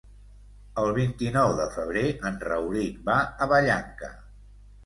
El vint-i-nou de febrer en Rauric va a Vallanca.